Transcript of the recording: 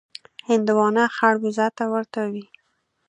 هندوانه خړبوزه ته ورته وي.